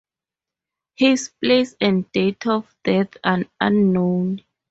His place and date of death are unknown.